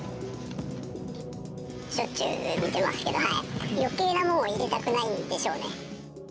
しょっちゅう見てますけど、よけいなものを入れたくないんでしょうね。